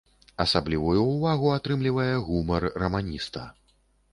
Асаблівую ўвагу атрымлівае гумар раманіста.